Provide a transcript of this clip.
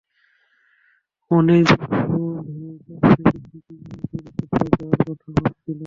অনেক দিন ধরেই কাজ থেকে ছুটি নিয়ে দূরে কোথাও যাওয়ার কথা ভাবছিলাম।